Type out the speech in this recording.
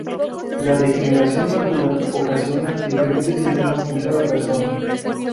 La degeneración macular ocasiona diferentes síntomas en cada persona.